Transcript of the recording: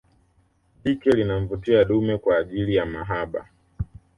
Jike linamvutia dume kwa ajili ya mahaba